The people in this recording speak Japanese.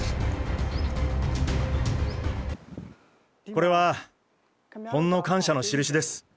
これはほんのかんしゃのしるしです。